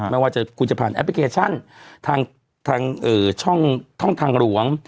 ไม่ว่าคุณจะผ่านแอพปลิเคชันทางหลวง